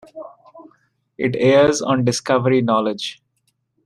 It airs on Discovery Knowledge.